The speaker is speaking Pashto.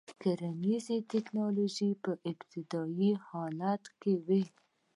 کرنیزه ټکنالوژي په ابتدايي حالت کې وه.